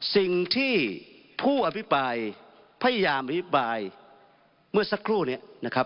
สิ่งที่ผู้อภิปรายพยายามอภิปรายเมื่อสักครู่นี้นะครับ